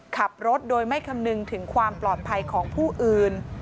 ขับรถโดยไม่คำนึงถึงความปลอดภัยของผู้อื่น